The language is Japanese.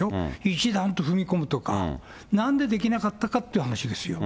一段と踏み込むとか、なんでできなかったかという話ですよ。